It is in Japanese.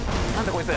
こいつ。